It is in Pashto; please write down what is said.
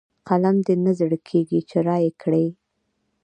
قلم دې نه زړه کېږي چې رايې کړئ.